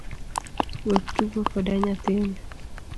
Wek tugo koda nyathini